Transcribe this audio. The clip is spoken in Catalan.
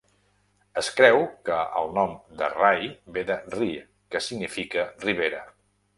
Es creu que el nom de Rye ve de "rie", que significa "ribera".